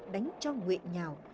đánh cho nguyện nhào